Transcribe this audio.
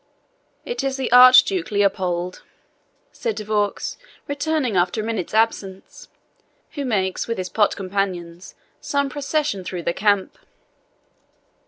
"It is the Archduke Leopold," said De Vaux, returning after a minute's absence, "who makes with his pot companions some procession through the camp."